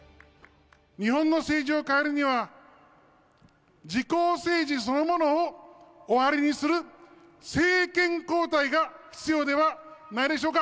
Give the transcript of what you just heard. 日本の政治を変えるには、自公政治そのものを終わりにする、政権交代が必要ではないでしょうか。